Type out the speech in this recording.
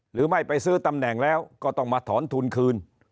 หรือไม่ไปซื้อตำแหน่งแล้วก็ต้องมาถอนทุนคืน